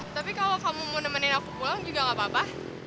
tapi kalau kamu mau nemenin aku pulang juga gak apa apa